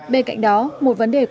bên cạnh đó một vấn đề quan trọng